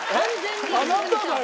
あなただよ！